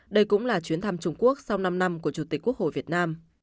đây cũng là chuyến thăm trung quốc sau năm năm của chủ tịch quốc hội việt nam